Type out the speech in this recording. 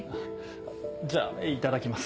じゃあいただきます。